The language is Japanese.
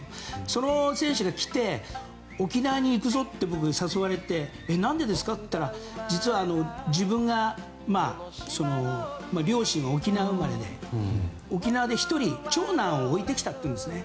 その選手が来て沖縄に行くぞって僕は誘われて何でですかって言ったら実は自分が両親は沖縄生まれで沖縄で１人長男を置いてきたというんですね。